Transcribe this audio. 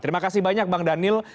terima kasih banyak bang daniel